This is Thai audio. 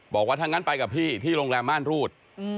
บอกว่าถ้างั้นไปกับพี่ที่โรงแรมม่านรูด